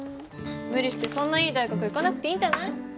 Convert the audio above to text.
無理してそんないい大学行かなくていいんじゃない？